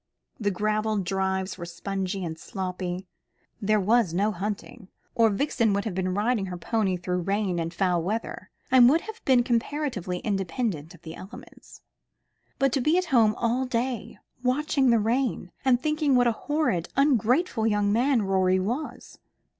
The gravel drives were spongy and sloppy. There was no hunting, or Vixen would have been riding her pony through rain and foul weather, and would have been comparatively independent of the elements. But to be at home all day, watching the rain, and thinking what a horrid, ungrateful young man Rorie was!